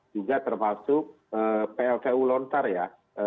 juga termasuk pltu lontar ya